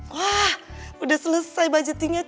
wah udah selesai budgetingnya